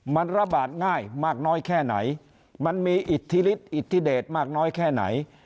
มันระบาดง่ายมากน้อยแค่ไหนมันมีอิทธิฤทธิอิทธิเดชมากน้อยแค่ไหน